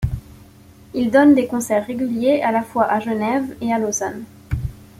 Il donne des concerts réguliers à la fois à Genève et à Lausanne.